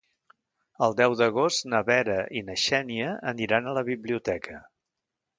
El deu d'agost na Vera i na Xènia aniran a la biblioteca.